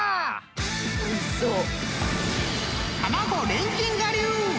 おいしそう。